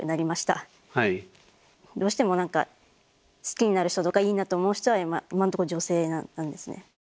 どうしても何か好きになる人とかいいなと思う人は今のところ女性なんですね。